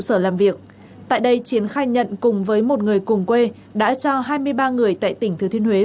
sở làm việc tại đây chiến khai nhận cùng với một người cùng quê đã cho hai mươi ba người tại tỉnh thừa thiên huế